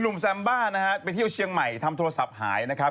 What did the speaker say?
แซมบ้านะฮะไปเที่ยวเชียงใหม่ทำโทรศัพท์หายนะครับ